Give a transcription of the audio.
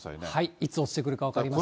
いつ落ちてくるか分かりません。